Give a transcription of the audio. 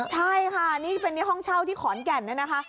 ใช่ค่ะนี่เป็นในห้องเช่าที่ขอนแก่นเนี่ยนะคะ